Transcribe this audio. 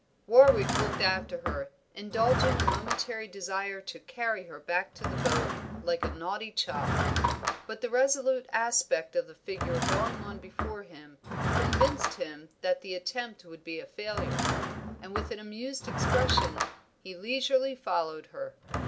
Warwick looked after her, indulging a momentary desire to carry her back to the boat, like a naughty child. But the resolute aspect of the figure going on before him, convinced him that the attempt would be a failure, and with an amused expression he leisurely followed her.